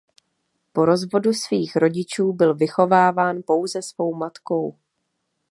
Po rozvodu svých rodičů byl vychováván pouze svou matkou.